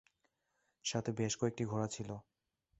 সাথে বেশ কয়েকটি ঘোড়া ছিল।